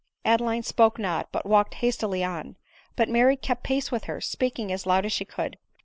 Adeline spoke not, but walked hastily on ; but Mary kept pace with her, speaking as loud as she could.